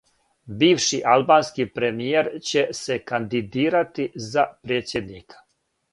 Бивши албански премијер ће се кандидирати за предсједника